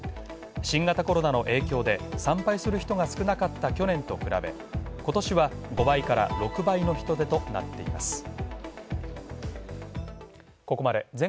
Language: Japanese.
新型コロナの影響で参拝する人が少なかった去年と比べ、今年は５倍から６倍の人出となっています。